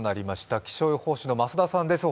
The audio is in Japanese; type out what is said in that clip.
気象予報士の増田さんです